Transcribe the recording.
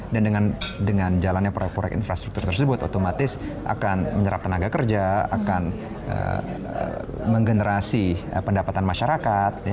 dan dengan jalannya proyek proyek infrastruktur tersebut otomatis akan menyerap tenaga kerja akan menggenerasi pendapatan masyarakat